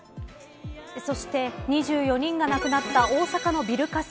そして、２４人が亡くなった大阪のビル火災。